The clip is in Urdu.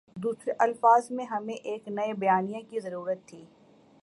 دوسرے الفاظ میں ہمیں ایک نئے بیانیے کی ضرورت تھی۔